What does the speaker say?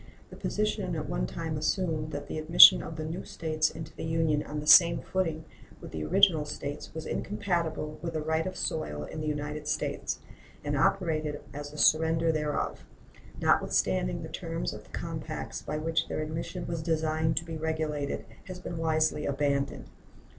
The position at one time assumed, that the admission of new States into the Union on the same footing with the original States was incompatible with a right of soil in the United States and operated as a surrender thereof, notwithstanding the terms of the compacts by which their admission was designed to be regulated, has been wisely abandoned.